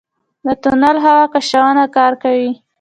د تونل هوا کشونه کار کوي؟